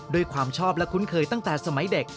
ด้วยความชอบและคุ้นเคยตั้งแต่สมัยเด็ก